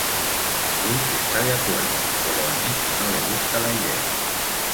Jules está de acuerdo, pero a Nic no le gusta la idea.